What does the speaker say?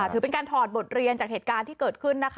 ถือเป็นการถอดบทเรียนจากเหตุการณ์ที่เกิดขึ้นนะคะ